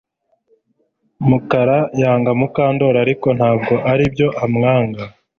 Mukara yanga Mukandoli ariko ntabwo aribyo amwanga